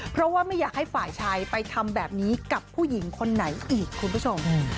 เพราะว่าไม่อยากให้ฝ่ายชายไปทำแบบนี้กับผู้หญิงคนไหนอีกคุณผู้ชม